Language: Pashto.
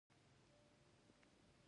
انا له اختر سره مینه لري